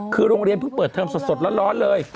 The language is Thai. คือโรงเรียนเพิ่งเปิดเทอมสดร้อนเลย